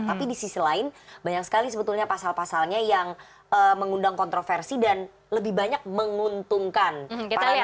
tapi di sisi lain banyak sekali sebetulnya pasal pasalnya yang mengundang kontroversi dan lebih banyak menguntungkan para nara